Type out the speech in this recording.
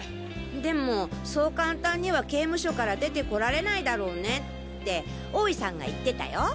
でもそうカンタンには刑務所から出てこられないだろうねって大井さんが言ってたよ。